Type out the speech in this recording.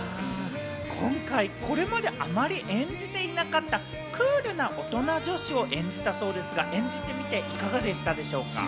今回、これまであまり演じていなかったクールなオトナ女子を演じたそうですが、演じてみていかがでしたでしょうか？